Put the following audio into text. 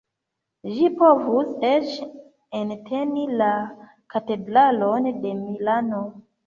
Ĝi povus eĉ enteni la Katedralon de Milano.